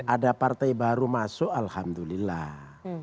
ada partai baru masuk alhamdulillah